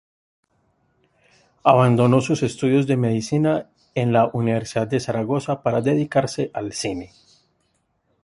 Abandonó sus estudios de medicina en la Universidad de Zaragoza para dedicarse al cine.